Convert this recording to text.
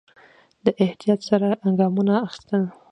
دی احتیاط سره ګامونه اخيستل.